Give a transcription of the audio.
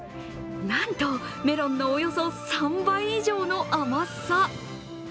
なんとメロンのおよそ３倍以上の甘さ。